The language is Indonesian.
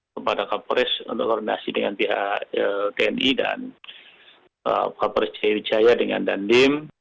kepada kapolres untuk koordinasi dengan pihak tni dan kapolres jaya wijaya dengan dandim